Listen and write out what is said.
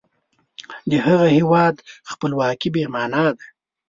د هغه هیواد خپلواکي بې معنا ده.